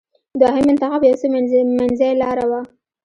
دوهم انتخاب یو څه منځۍ لاره وه.